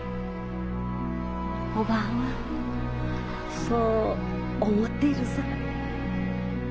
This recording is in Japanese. おばぁはそう思っているさ。